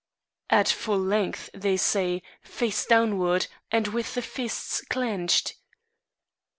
"At full length, they say, face downward, and with the fists clenched."